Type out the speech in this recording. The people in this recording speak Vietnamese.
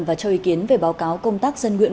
và cho ý kiến về báo cáo công tác dân nguyện